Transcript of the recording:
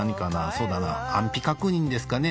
そうだな安否確認ですかね？